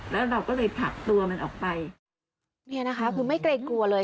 แล้วเราก็เลยผลักตัวมันออกไปเนี่ยนะคะคือไม่เกรงกลัวเลย